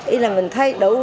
y là mình thấy đủ